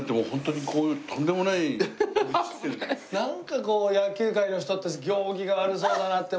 なんかこう野球界の人って行儀が悪そうだなって